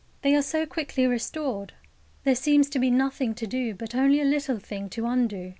They are so quickly restored. There seems to be nothing to do, but only a little thing to undo.